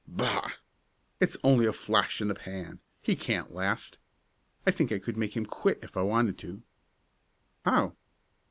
"Bah! It's only a flash in the pan. He can't last. I think I could make him quit if I wanted to." "How?"